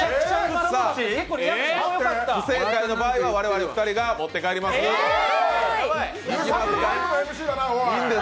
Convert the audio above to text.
不正解の場合は我々２人が持って帰りますので。